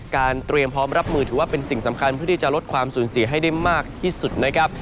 เตรียมพร้อมรับมือถือว่าเป็นสิ่งสำคัญเพื่อที่จะลดความสูญเสียให้ได้มากที่สุดนะครับ